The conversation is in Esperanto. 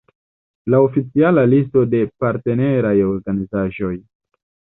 La oficiala listo de partneraj organizaĵoj.